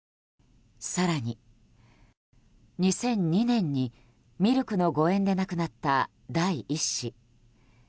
更に２００２年にミルクの誤嚥で亡くなった第１子。